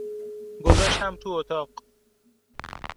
گذاشتم تو اتاق